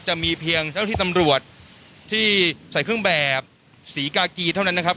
จะมีเพียงเจ้าที่ตำรวจที่ใส่เครื่องแบบสีกากีเท่านั้นนะครับ